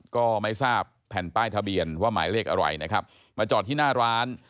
ก็ไม่ทราบแผ่นป้ายทะเบียนว่าหมายเลขอะไรนะครับมาจอดที่หน้าร้าน